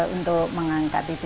untuk mengangkat itu